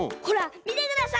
みてください！